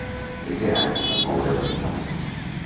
Els gegants fan moure els infants.